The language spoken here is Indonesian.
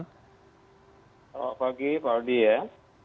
selamat pagi pak aldi ya